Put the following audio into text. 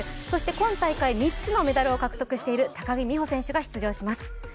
そして今大会３つのメダルを獲得している高木美帆選手が出場です。